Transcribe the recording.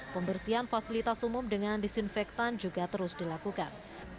pembersihan fasilitas umum dengan disinfektan juga terus dilakukan